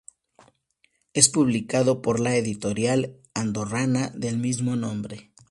Es publicado por la editorial andorrana del mismo nombre.